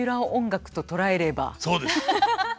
そうです。